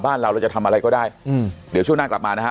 บ้านเราเราจะทำอะไรก็ได้อืมเดี๋ยวช่วงหน้ากลับมานะฮะ